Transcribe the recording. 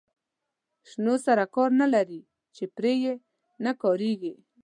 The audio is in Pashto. شنو سره کار نه لري چې پرې یې نه کاږي.